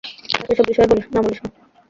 তাকে এসব বিষয়ে না বলিস না।